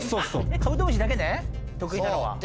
カブトムシだけね得意なのは。